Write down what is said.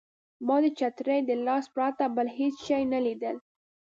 ما د چترۍ د لاسۍ پرته بل هېڅ شی نه لیدل.